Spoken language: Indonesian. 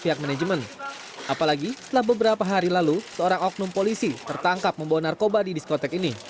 pihak manajemen mencari penyelamat